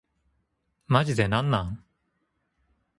マジでなんなん